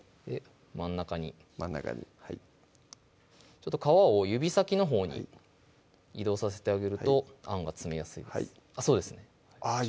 真ん中に真ん中にはいちょっと皮を指先のほうに移動させてあげるとあんが詰めやすいですあっ